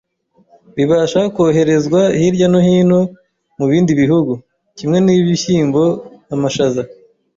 bibasha koherezwa hirya no hino mu bindi bihugu, kimwe n’ibishyimbo, amashaza